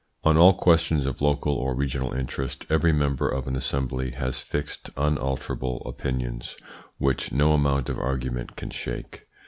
On all questions of local or regional interest every member of an assembly has fixed, unalterable opinions, which no amount of argument can shake.